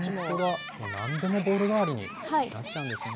本当だ、なんでもボール代わりになっちゃうんですね。